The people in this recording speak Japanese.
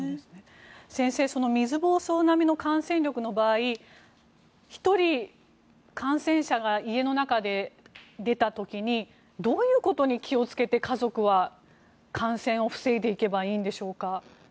先生、水ぼうそう並みの感染力の場合１人、感染者が家の中で出た時にどういうことに気をつけて家族は感染を防いでいけばいいんでしょうか。